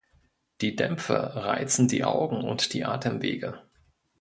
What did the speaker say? Die Dämpfe reizen die Augen und die Atemwege.